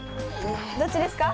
どっちですか？